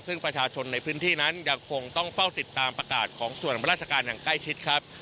ซึ่งประชาชนในพื้นที่นั้นยังคงต้องเฝ้าติดตามประกาศของส่วนราชการอย่างใกล้ชิดครับ